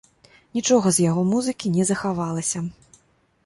Нічога з яго музыкі не захавалася.